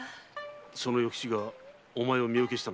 その与吉がお前を身請けしたのか？